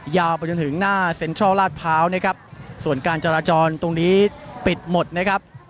ไปจนถึงหน้าเซ็นทรัลลาดพร้าวนะครับส่วนการจราจรตรงนี้ปิดหมดนะครับ